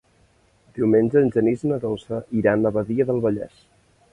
Diumenge en Genís i na Dolça iran a Badia del Vallès.